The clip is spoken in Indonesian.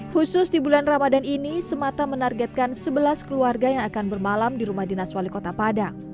khusus di bulan ramadan ini semata menargetkan sebelas keluarga yang akan bermalam di rumah dinas wali kota padang